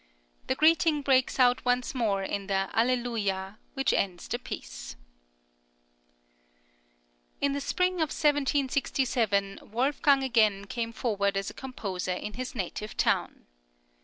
The greeting breaks out once more in the "Alleluia," which ends the piece. In the spring of 1767, Wolfgang again came forward as a composer in his native town.